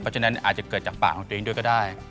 เพราะฉะนั้นอาจจะเกิดจากปากของตัวเองด้วยก็ได้